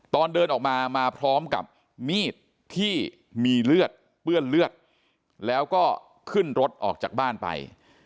ตอนเดินออกมามาพร้อมกับมีดที่มีเลือดเปื้อนเลือดแล้วก็ขึ้นรถออกจากบ้านไป